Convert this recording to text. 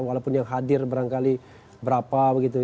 walaupun yang hadir barangkali berapa begitu